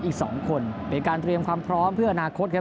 อีก๒คนเป็นการเตรียมความพร้อมเพื่ออนาคตครับ